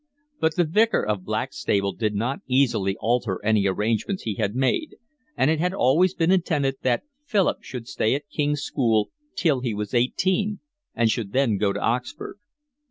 But the Vicar of Blackstable did not easily alter any arrangements he had made, and it had always been intended that Philip should stay at King's School till he was eighteen, and should then go to Oxford.